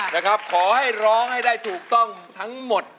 นะครับขอให้ร้องให้ได้ถูกต้องทั้งหมด